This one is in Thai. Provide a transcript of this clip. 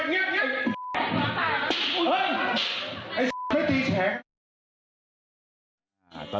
เฮ้ยง่ายไอ้ไม่ตีแชง